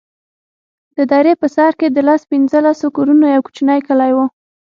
د درې په سر کښې د لس پينځه لسو کورونو يو کوچنى کلى و.